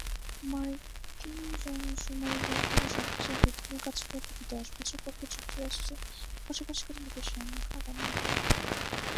মার্কিন জনশুমারি দপ্তরের সবচেয়ে গুরুত্বপূর্ণ কাজ হল প্রতি দশ বছর পর পর যুক্তরাষ্ট্রে বসবাসকারী লোকের সংখ্যা গণনা করা।